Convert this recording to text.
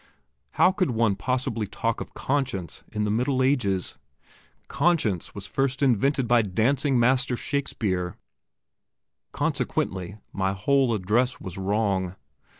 How could one possibly talk of conscience in the Middle Ages? Conscience was first invented by Dancing master Shakespeare, consequently my whole address was wrong.